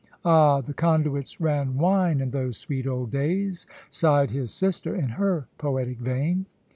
"Ah, the conduits ran wine in those sweet old days," sighed his sister, in her poetic vein.